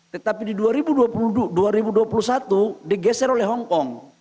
tetapi di dua ribu dua puluh satu digeser oleh hongkong